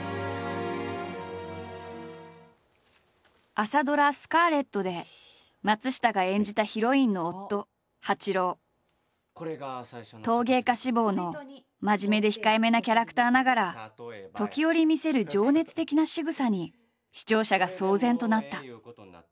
朝ドラ「スカーレット」で松下が演じた陶芸家志望の真面目で控えめなキャラクターながら時折見せる情熱的なしぐさに視聴者が騒然となった。